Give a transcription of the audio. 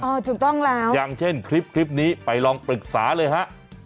ถูกต้องแล้วอย่างเช่นคลิปนี้ไปลองปรึกษาเลยฮะ